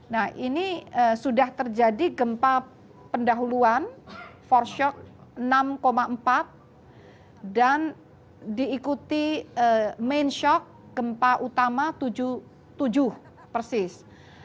nah ini sudah terjadi gempa pendahuluan for shock enam empat dan diikuti main shock gempa utama tujuh puluh tujuh persis